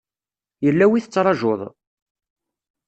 Yella wi tettrajuḍ?